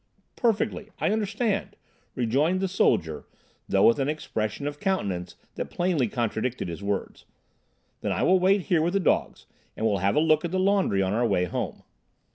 "Perfectly. I understand," rejoined the soldier, though with an expression of countenance that plainly contradicted his words. "Then I will wait here with the dogs; and we'll have a look at the laundry on our way home."